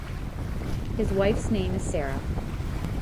His wife's name is Sarah.